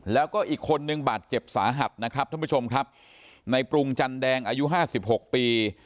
แล้วก็อีกคนนึงบาดเจ็บสาหัสนะครับท่านผู้ชมครับในปรุงจันแดงอายุห้าสิบหกปี